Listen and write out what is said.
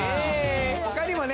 他にもね。